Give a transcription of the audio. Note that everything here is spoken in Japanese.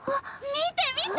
見て見て！